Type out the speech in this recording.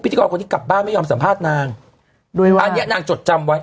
กรคนนี้กลับบ้านไม่ยอมสัมภาษณ์นางโดยอันเนี้ยนางจดจำไว้